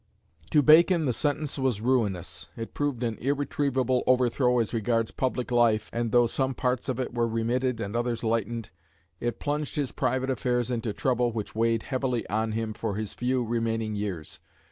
To Bacon the sentence was ruinous. It proved an irretrievable overthrow as regards public life, and, though some parts of it were remitted and others lightened, it plunged his private affairs into trouble which weighed heavily on him for his few remaining years.